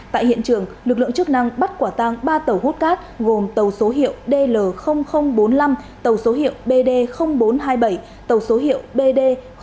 tại hiện trường lực lượng chức năng bắt quả tăng ba tàu hút cát gồm tàu số hiệu dl bốn mươi năm tàu số hiệu bd bốn trăm hai mươi bảy tàu số hiệu bd một trăm hai mươi bảy